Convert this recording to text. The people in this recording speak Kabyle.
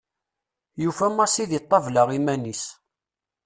Yufa Massi deg ṭabla iman-is.